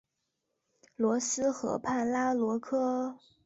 洛斯河畔拉罗科。